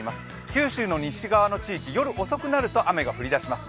九州の西側の地域、夜遅くなると雨が降り出します。